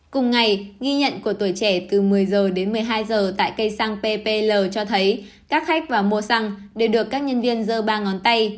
cùng ngày ghi nhận của tuổi trẻ từ một mươi h đến một mươi hai h tại cây xăng ppl cho thấy các khách và mua xăng đều được các nhân viên dơ ba ngón tay